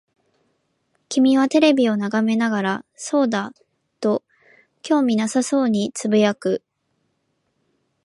君はテレビを眺めながら、そうだ、と興味なさそうに呟く。